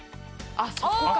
あっそこか。